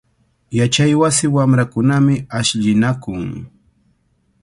Yachaywasi wamrakunami ashllinakun.